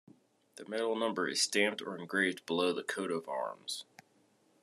The medal number is stamped or engraved below the Coat of Arms.